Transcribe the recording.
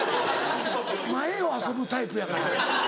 前を遊ぶタイプやから。